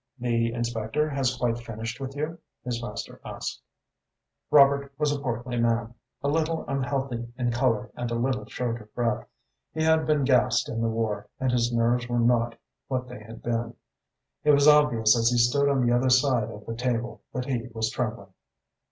"The inspector has quite finished with you?" his master asked. Robert was a portly man, a little unhealthy in colour and a little short of breath. He had been gassed in the war and his nerves were not what they had been. It was obvious, as he stood on the other side of the table, that he was trembling.